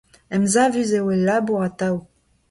Emsavus eo e labour atav.